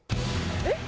えっ？